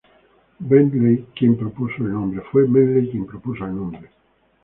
Bentley quien propuso el nombre.